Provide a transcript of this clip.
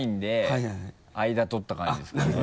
あいだ取った感じですね。